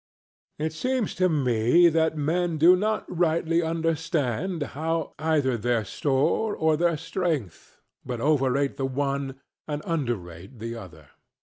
_ It seems to me that men do not rightly understand either their store or their strength, but overrate the one and underrate the other.